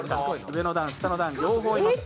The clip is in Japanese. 上の段、下の段、両方います。